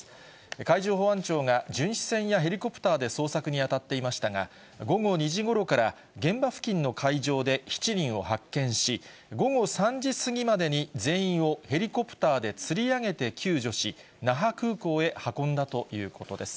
海上保安庁が巡視船やヘリコプターで捜索に当たっていましたが、午後２時ごろから現場付近の海上で７人を発見し、午後３時過ぎまでに全員をヘリコプターでつり上げて救助し、那覇空港へ運んだということです。